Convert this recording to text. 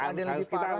aden lebih parah